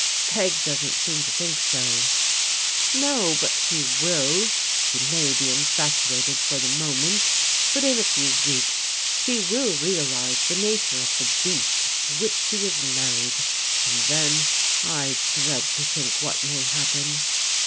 " Peg doesn't seem to think so.'* "No, but she will. She may be infatuated for the THE GIRLS ARE LOCATED 181 moment, but in a few weeks she will realize the nature of the beast to which she is married, and then I dread to think what may happen."